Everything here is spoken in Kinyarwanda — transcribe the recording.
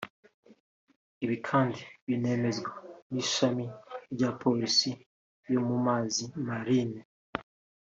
Ibi kandi binemezwa n’ishami rya police yo mu mazi (Marine)